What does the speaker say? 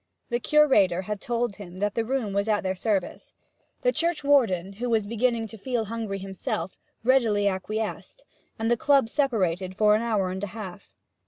The curator had told him that the room was at their service. The churchwarden, who was beginning to feel hungry himself, readily acquiesced, and the Club separated for an hour and a half.